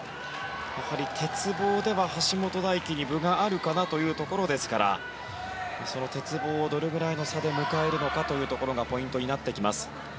やはり鉄棒では橋本大輝に分があるかなというところですからその鉄棒をどれぐらいの差で迎えるかというところがポイントになってきます。